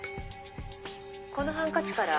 「このハンカチから」